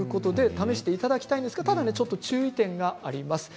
試していただきたいんですが注意点があります。